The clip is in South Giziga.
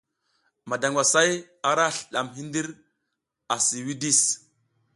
Madangwasay ara slidadm hidir a si widis.